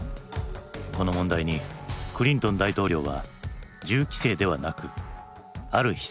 この問題にクリントン大統領は銃規制ではなくある秘策で対抗する。